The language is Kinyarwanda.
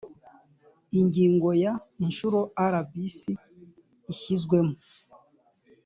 ingingo ya icyiciro rbc ishyizwemo